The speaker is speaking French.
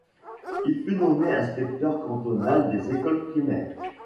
Il fut nommé inspecteur cantonal des écoles primaires.